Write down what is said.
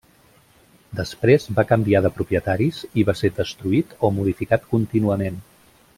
Després va canviar de propietaris, i va ser destruït o modificat contínuament.